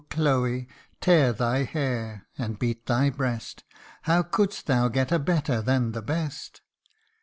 Chloe, tear thy hair, and beat thy breast ; How couldst thou get a better than the best